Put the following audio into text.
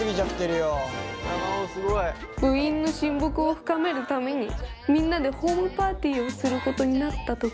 部員の親睦を深めるためにみんなでホームパーティーをすることになった時。